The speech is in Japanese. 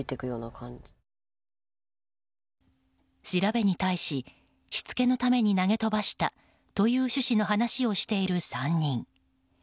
調べに対ししつけのために投げ飛ばしたという趣旨の話をしている３人。